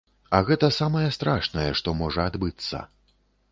А гэта самае страшнае, што можа адбыцца.